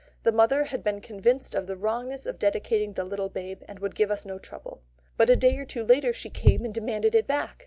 The mother had been convinced of the wrongness of dedicating the little babe, and would give us no trouble. But a day or two later, she came and demanded it back.